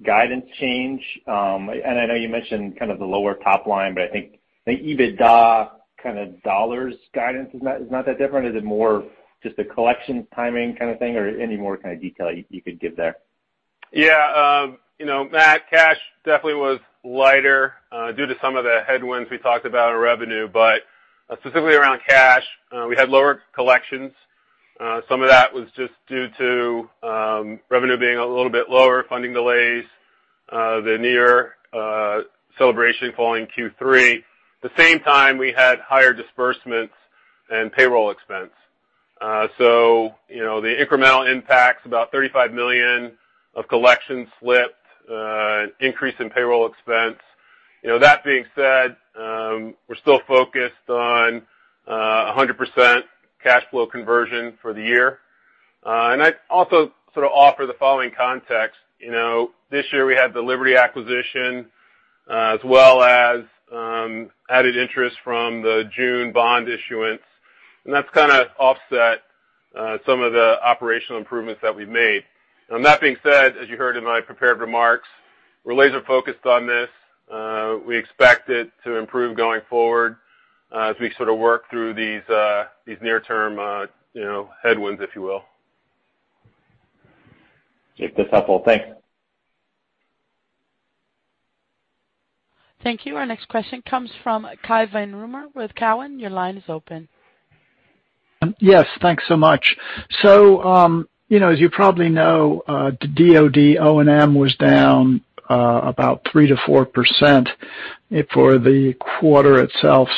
guidance change, and I know you mentioned kind of the lower top line, but I think the EBITDA kind of dollars guidance is not that different. Is it more just a collection timing kind of thing or any more kind of detail you could give there? Yeah. You know, Matt, cash definitely was lighter due to some of the headwinds we talked about our revenue. Specifically around cash, we had lower collections. Some of that was just due to revenue being a little bit lower, funding delays, the near celebration falling Q3. The same time we had higher disbursements and payroll expense. You know, the incremental impacts about $35 million of collections slipped, increase in payroll expense. You know, that being said, we're still focused on 100% cash flow conversion for the year. I'd also sort of offer the following context. You know, this year we had the Liberty acquisition, as well as added interest from the June bond issuance, and that's kinda offset some of the operational improvements that we've made. That being said, as you heard in my prepared remarks, we're laser focused on this. We expect it to improve going forward, as we sort of work through these near-term, you know, headwinds, if you will. That's helpful. Thanks. Thank you. Our next question comes from Cai von Rumohr with Cowen. Your line is open. Yes. Thanks so much. You know, as you probably know, the DOD O&M was down about 3%-4% for the quarter itself.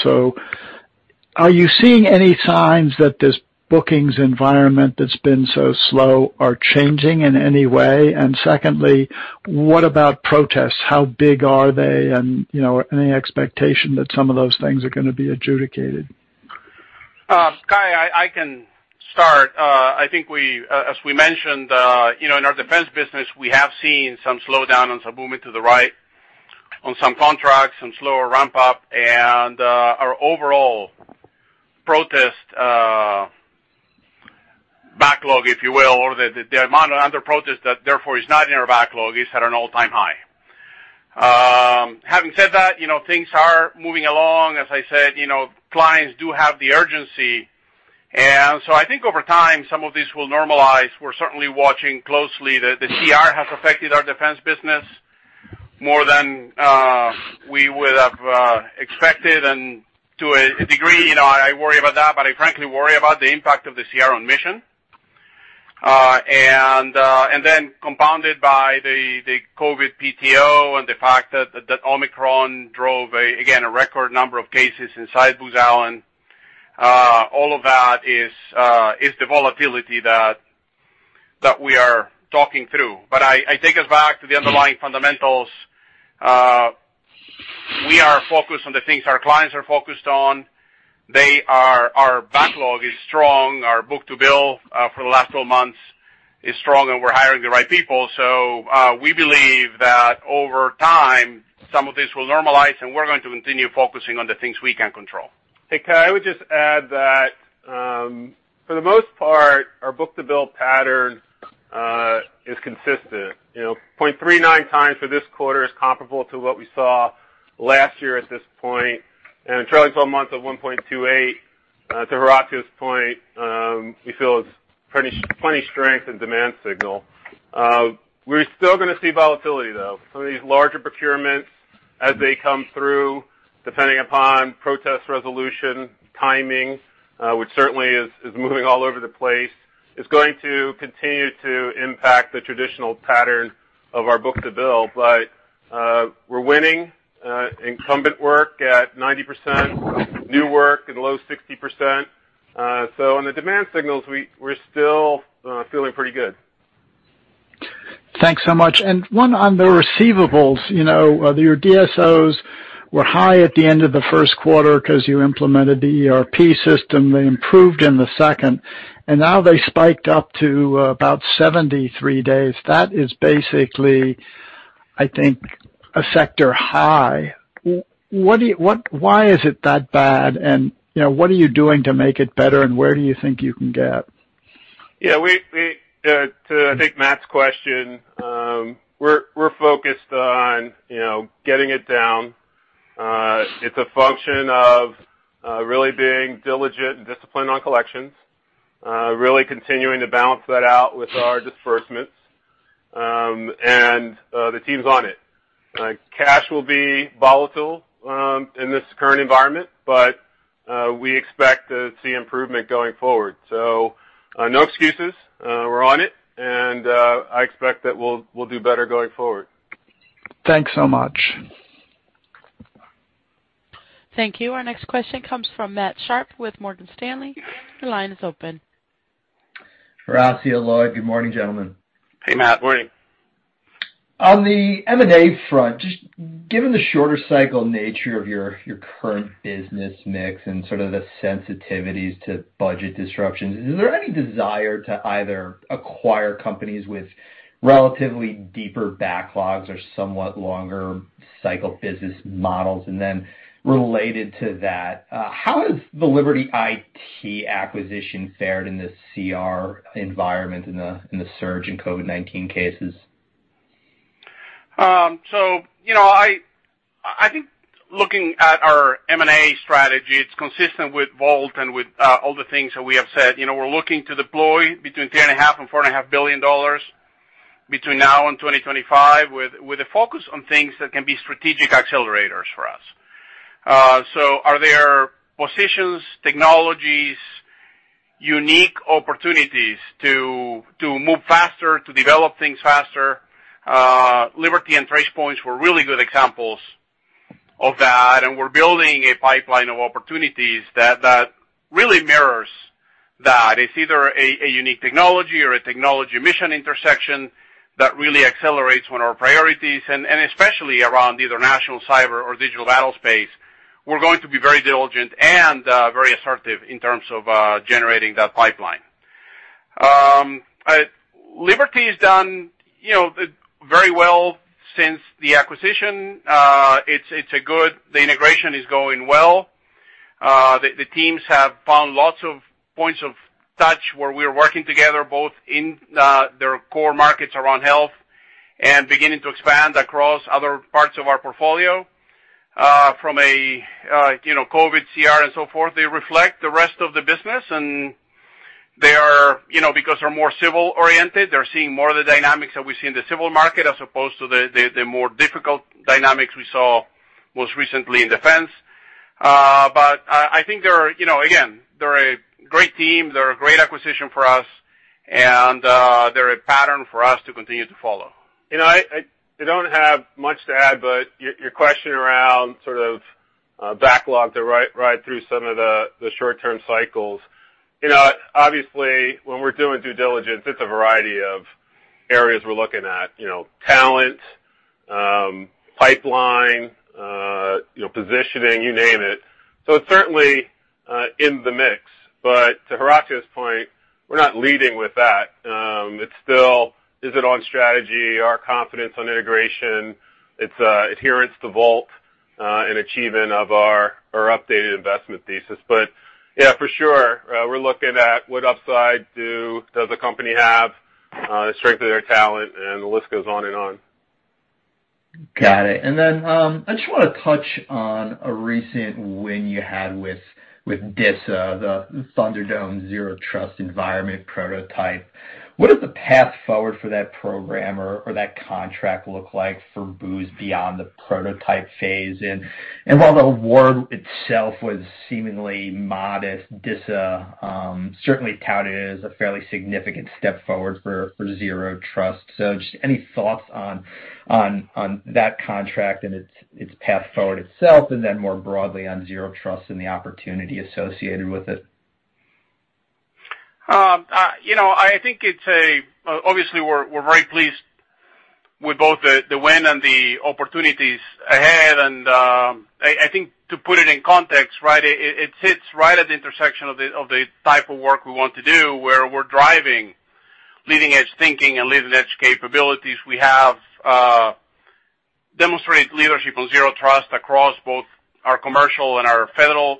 Are you seeing any signs that this bookings environment that's been so slow are changing in any way? And secondly, what about protests? How big are they? And, you know, any expectation that some of those things are gonna be adjudicated? Cai, I can start. I think as we mentioned, you know, in our defense business, we have seen some slowdown on some movement to the right on some contracts and slower ramp up and, our overall protest backlog, if you will, or the amount under protest that therefore is not in our backlog is at an all-time high. Having said that, you know, things are moving along. As I said, you know, clients do have the urgency. I think over time, some of these will normalize. We're certainly watching closely. The CR has affected our defense business more than we would have expected. To a degree, you know, I worry about that, but I frankly worry about the impact of the CR on mission. Compounded by the COVID PTO and the fact that Omicron drove, again, a record number of cases inside Booz Allen. All of that is the volatility that we are talking through. I take us back to the underlying fundamentals. We are focused on the things our clients are focused on. Our backlog is strong. Our book-to-bill for the last 12 months is strong, and we're hiring the right people. We believe that over time, some of this will normalize, and we're going to continue focusing on the things we can control. Hey, Cai von Rumohr, I would just add that, for the most part, our book-to-bill pattern is consistent. You know, 0.39x for this quarter is comparable to what we saw last year at this point. Trailing twelve months of 1.28, to Horacio Rozanski's point, we feel is plenty of strength and demand signal. We're still gonna see volatility, though. Some of these larger procurements as they come through, depending upon protest resolution, timing, which certainly is moving all over the place, is going to continue to impact the traditional pattern of our book-to-bill. We're winning incumbent work at 90%, new work at low 60%. So on the demand signals, we're still feeling pretty good. Thanks so much. One on the receivables. You know, your DSOs were high at the end of the first quarter 'cause you implemented the ERP system. They improved in the second, and now they spiked up to about 73 days. That is basically, I think, a sector high. Why is it that bad? You know, what are you doing to make it better? Where do you think you can get? Yeah, to Matt's question, we're focused on, you know, getting it down. It's a function of really being diligent and disciplined on collections, really continuing to balance that out with our disbursements, and the team's on it. Cash will be volatile in this current environment, but we expect to see improvement going forward. No excuses, we're on it, and I expect that we'll do better going forward. Thanks so much. Thank you. Our next question comes from Matt Sharpe with Morgan Stanley. Your line is open. Horacio, Lloyd, good morning, gentlemen. Hey, Matt. Morning. On the M&A front, just given the shorter cycle nature of your current business mix and sort of the sensitivities to budget disruptions, is there any desire to either acquire companies with relatively deeper backlogs or somewhat longer cycle business models? Related to that, how has the Liberty IT acquisition fared in this CR environment in the surge in COVID-19 cases? You know, I think looking at our M&A strategy, it's consistent with VoLT and with all the things that we have said. You know, we're looking to deploy between $3.5 billion-$4.5 billion between now and 2025 with a focus on things that can be strategic accelerators for us. Are there positions, technologies, unique opportunities to move faster, to develop things faster? Liberty and Tracepoint were really good examples of that, and we're building a pipeline of opportunities that really mirrors that. It's either a unique technology or a technology mission intersection that really accelerates one of our priorities, and especially around either national cyber or digital battlespace, we're going to be very diligent and very assertive in terms of generating that pipeline. Liberty has done, you know, very well since the acquisition. The integration is going well. The teams have found lots of points of touch where we are working together, both in their core markets around health and beginning to expand across other parts of our portfolio, from you know, COVID, CR and so forth. They reflect the rest of the business and they are, you know, because they're more civil oriented, they're seeing more of the dynamics that we see in the civil market as opposed to the more difficult dynamics we saw most recently in defense. I think they're, you know, again, they're a great team. They're a great acquisition for us, and they're a pattern for us to continue to follow. You know, I don't have much to add, but your question around sort of, backlog to ride through some of the short-term cycles. You know, obviously when we're doing due diligence, it's a variety of areas we're looking at, you know, talent, pipeline, you know, positioning, you name it. It's certainly in the mix, but to Horacio's point, we're not leading with that. It still is on strategy, our confidence on integration. It's adherence to VoLT and achievement of our updated investment thesis. Yeah, for sure, we're looking at what upside does the company have, the strength of their talent, and the list goes on and on. Got it. I just wanna touch on a recent win you had with DISA, the Thunderdome Zero Trust environment prototype. What does the path forward for that program or that contract look like for Booz beyond the prototype phase? While the award itself was seemingly modest, DISA certainly touted it as a fairly significant step forward for Zero Trust. Just any thoughts on that contract and its path forward itself, and then more broadly on Zero Trust and the opportunity associated with it? You know, I think obviously we're very pleased with both the win and the opportunities ahead. I think to put it in context, right, it sits right at the intersection of the type of work we want to do, where we're driving leading-edge thinking and leading-edge capabilities. We have demonstrated leadership on Zero Trust across both our commercial and our federal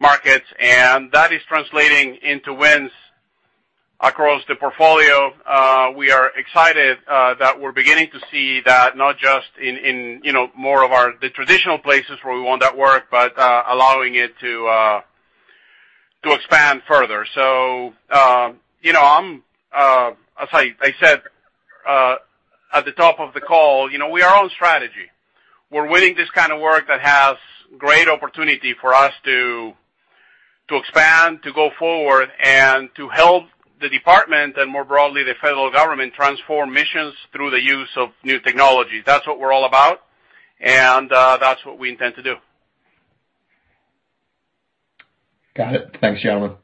markets, and that is translating into wins across the portfolio. We are excited that we're beginning to see that not just in you know more of the traditional places where we want that work, but allowing it to expand further. You know, I'm as I said at the top of the call, you know, we are on strategy. We're winning this kind of work that has great opportunity for us to expand, to go forward, and to help the department and more broadly, the federal government transform missions through the use of new technology. That's what we're all about, and that's what we intend to do. Got it. Thanks, gentlemen.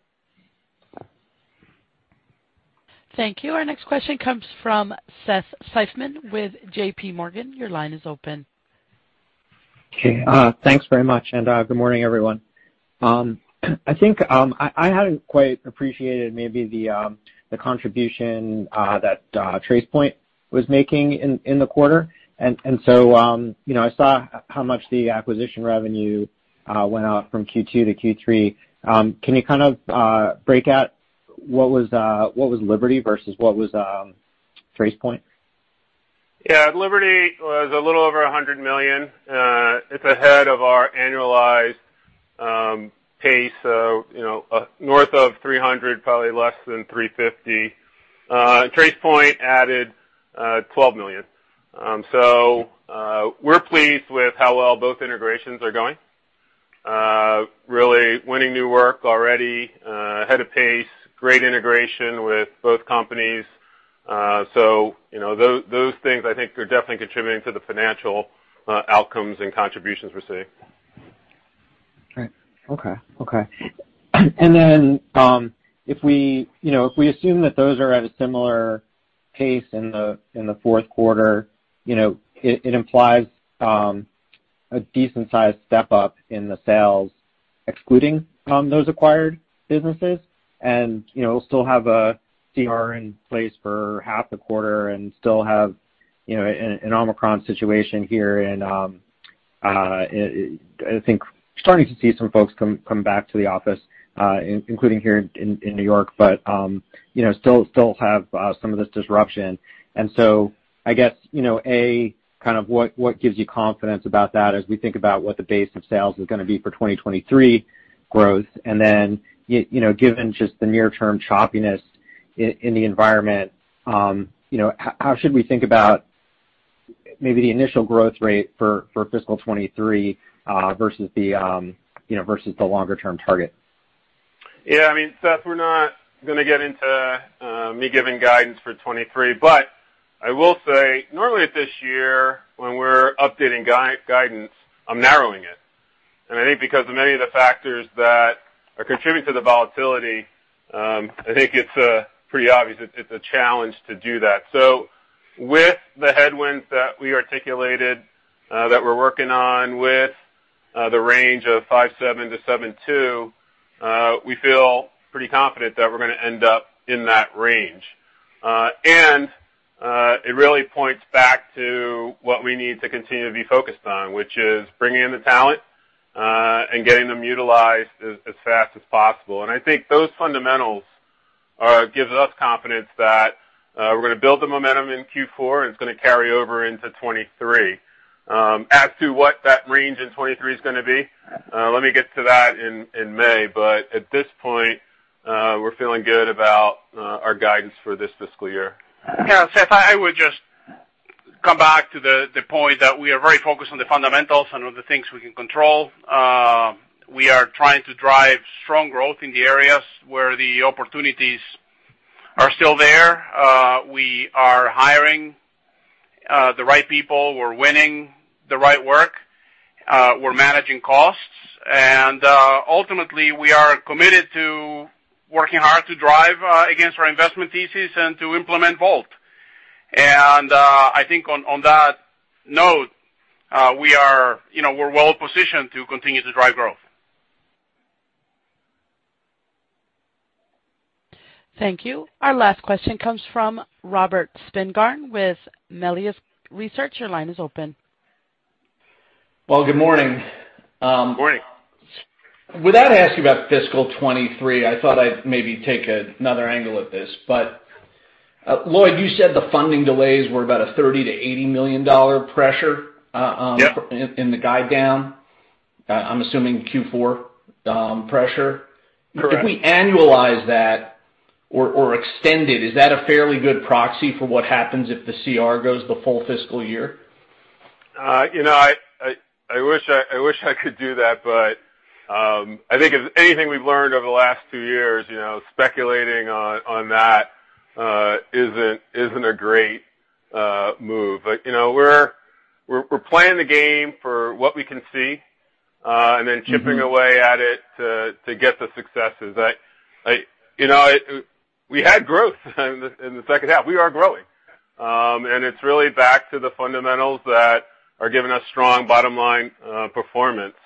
Thank you. Our next question comes from Seth Seifman with JP Morgan. Your line is open. Okay. Thanks very much, and good morning, everyone. I think I hadn't quite appreciated maybe the contribution that Tracepoint was making in the quarter. You know, I saw how much the acquisition revenue went up from Q2 to Q3. Can you kind of break out what was Liberty versus what was Tracepoint? Yeah. Liberty was a little over $100 million. It's ahead of our annualized pace. You know, north of $300 million, probably less than $350 million. Tracepoint added $12 million. We're pleased with how well both integrations are going. Really winning new work already, ahead of pace, great integration with both companies. You know, those things I think are definitely contributing to the financial outcomes and contributions we're seeing. Right. Okay. If we assume that those are at a similar pace in the fourth quarter, you know, it implies a decent sized step-up in the sales excluding those acquired businesses. You know, we'll still have a CR in place for half the quarter and still have an Omicron situation here and I think starting to see some folks come back to the office, including here in New York, but you know, still have some of this disruption. I guess, you know, A, kind of what gives you confidence about that as we think about what the base of sales is gonna be for 2023 growth. You know, given just the near term choppiness in the environment, you know, how should we think about maybe the initial growth rate for fiscal 2023 versus the longer term target? Yeah, I mean, Seth, we're not gonna get into me giving guidance for 2023, but I will say normally at this time of year when we're updating guidance, I'm narrowing it. I think because of many of the factors that are contributing to the volatility, I think it's pretty obvious it's a challenge to do that. With the headwinds that we articulated that we're working on with the range of $5.7-$7.2, we feel pretty confident that we're gonna end up in that range. It really points back to what we need to continue to be focused on, which is bringing in the talent and getting them utilized as fast as possible. I think those fundamentals gives us confidence that we're gonna build the momentum in Q4, and it's gonna carry over into 2023. As to what that range in 2023 is gonna be, let me get to that in May. At this point, we're feeling good about our guidance for this fiscal year. Yeah, Seth, I would just come back to the point that we are very focused on the fundamentals and on the things we can control. We are trying to drive strong growth in the areas where the opportunities are still there. We are hiring the right people. We're winning the right work. We're managing costs. Ultimately, we are committed to working hard to drive against our investment thesis and to implement VoLT. I think on that note, we are, you know, we're well positioned to continue to drive growth. Thank you. Our last question comes from Robert Spingarn with Melius Research. Your line is open. Well, good morning. Morning. Without asking about fiscal 2023, I thought I'd maybe take another angle at this. Lloyd, you said the funding delays were about a $30 million-$80 million pressure. Yep... in the guide down, I'm assuming Q4 pressure. Correct. If we annualize that or extend it, is that a fairly good proxy for what happens if the CR goes the full fiscal year? You know, I wish I could do that, but I think if anything we've learned over the last two years, you know, speculating on that isn't a great move. You know, we're playing the game for what we can see and then chipping away at it to get the successes. We had growth in the second half, we are growing. It's really back to the fundamentals that are giving us strong bottom line performance.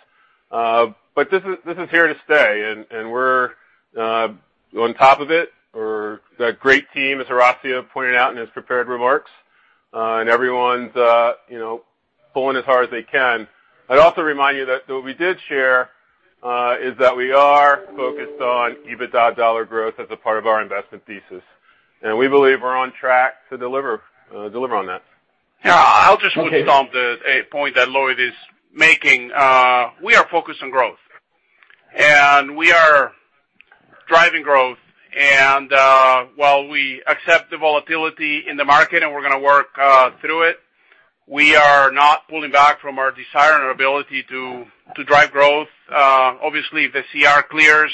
This is here to stay and we're on top of it. We're a great team, as Horacio pointed out in his prepared remarks, and everyone's, you know, pulling as hard as they can. I'd also remind you that what we did share is that we are focused on EBITDA dollar growth as a part of our investment thesis, and we believe we're on track to deliver on that. Yeah. I'll just put some Okay A point that Lloyd is making. We are focused on growth, and we are driving growth. While we accept the volatility in the market, and we're gonna work through it, we are not pulling back from our desire and ability to drive growth. Obviously, if the CR clears,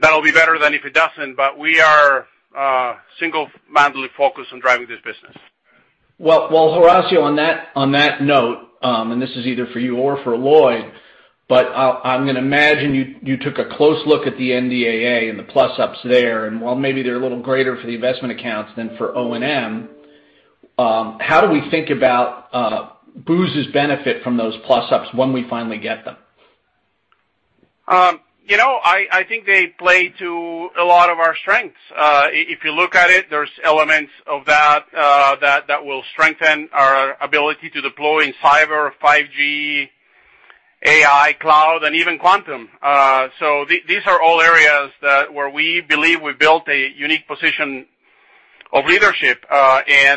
that'll be better than if it doesn't. We are single-mindedly focused on driving this business. Well, Horacio, on that note, and this is either for you or for Lloyd, but I'm gonna imagine you took a close look at the NDAA and the plus-ups there, and while maybe they're a little greater for the investment accounts than for O&M, how do we think about Booz's benefit from those plus-ups when we finally get them? You know, I think they play to a lot of our strengths. If you look at it, there's elements of that that will strengthen our ability to deploy in cyber, 5G, AI, cloud, and even quantum. These are all areas where we believe we built a unique position of leadership.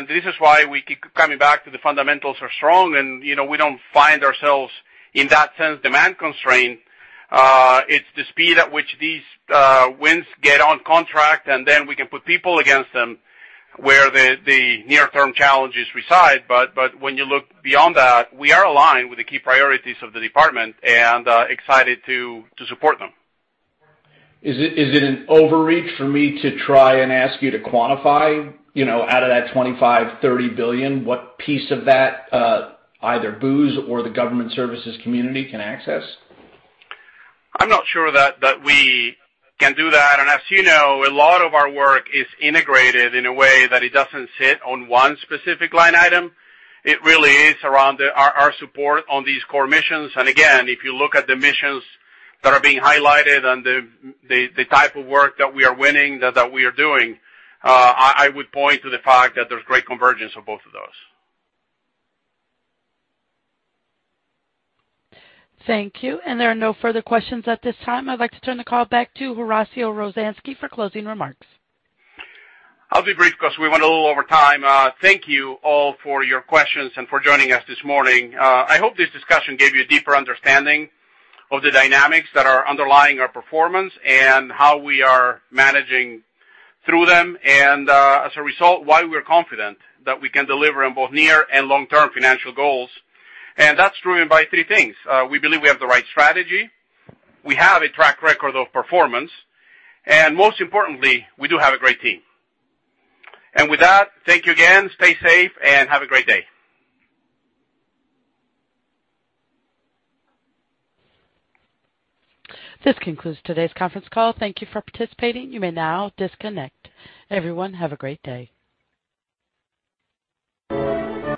This is why we keep coming back to the fundamentals are strong, and, you know, we don't find ourselves in that sense demand-constrained. It's the speed at which these wins get on contract, and then we can put people against them where the near term challenges reside. When you look beyond that, we are aligned with the key priorities of the department and excited to support them. Is it an overreach for me to try and ask you to quantify, you know, out of that $25 billion-$30 billion, what piece of that either Booz or the government services community can access? I'm not sure that we can do that. As you know, a lot of our work is integrated in a way that it doesn't sit on one specific line item. It really is around our support on these core missions. Again, if you look at the missions that are being highlighted and the type of work that we are winning, that we are doing, I would point to the fact that there's great convergence of both of those. Thank you. There are no further questions at this time. I'd like to turn the call back to Horacio Rozanski for closing remarks. I'll be brief 'cause we went a little over time. Thank you all for your questions and for joining us this morning. I hope this discussion gave you a deeper understanding of the dynamics that are underlying our performance and how we are managing through them and, as a result, why we're confident that we can deliver on both near and long-term financial goals. That's driven by three things. We believe we have the right strategy, we have a track record of performance, and most importantly, we do have a great team. With that, thank you again, stay safe, and have a great day. This concludes today's conference call. Thank you for participating. You may now disconnect. Everyone, have a great day.